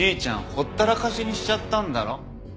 ほったらかしにしちゃったんだろ？